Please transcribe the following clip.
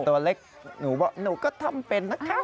ตัวเล็กหนูบอกหนูก็ทำเป็นนะคะ